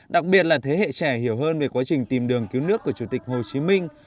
đặc biệt là thế hệ trẻ hiểu hơn về quá trình tìm đường cứu nước của chủ tịch hồ chí minh